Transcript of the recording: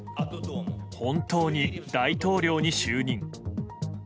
本当に大統領に就任。